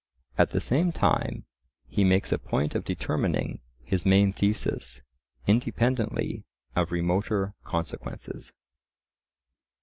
At the same time he makes a point of determining his main thesis independently of remoter consequences.